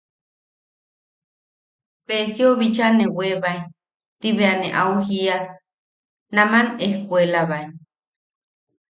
–Peesiou bicha ne weebae –ti bea ne au jiia –naman ejkuelabae.